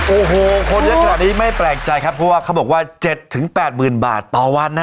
โอ้โหคนเยอะแบบนี้ไม่แปลงใจครับเพราะว่าเขาบอกว่าเจ็ดถึงแปดหมื่นบาทต่อวันนะ